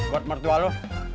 buat mertua lu